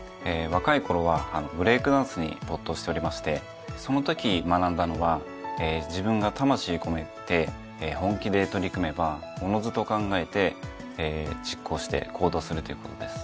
若いころはブレークダンスに没頭しておりましてそのとき学んだのは自分が魂込めて本気で取り組めばおのずと考えて実行して行動するということです。